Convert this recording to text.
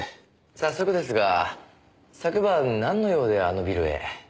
早速ですが昨晩なんの用であのビルへ？